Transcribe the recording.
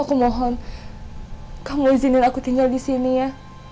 aku mohon kamu izinin aku tinggal disini ya